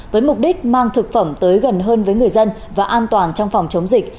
với mục đích mang thực phẩm tới gần hơn với người dân và an toàn trong phòng chống dịch